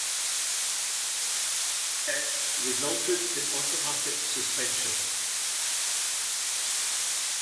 Failure to take the test resulted in automatic suspension.